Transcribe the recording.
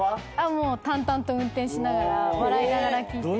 もう淡々と運転しながら笑いながら聞いて。